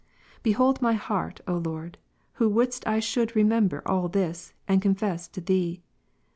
Behold my heart, O Lord, who wouldest I should remember all this, and confess to Thee.